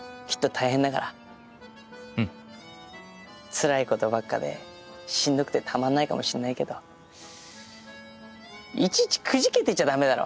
つらいことばっかでしんどくてたまんないかもしんないけどいちいちくじけてちゃダメだろ？